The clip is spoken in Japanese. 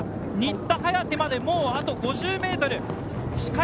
新田颯まであと５０ｍ。